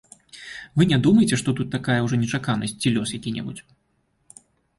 Вы не думайце, што тут такая ўжо нечаканасць ці лёс які-небудзь.